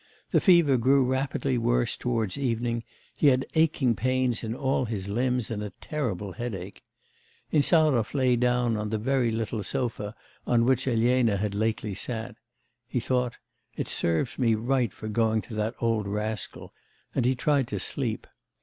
The fever grew rapidly worse towards evening; he had aching pains in all his limbs, and a terrible headache. Insarov lay down on the very little sofa on which Elena had lately sat; he thought: 'It serves me right for going to that old rascal,' and he tried to sleep....